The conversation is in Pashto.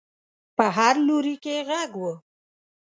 په هر لوري کې غږ و.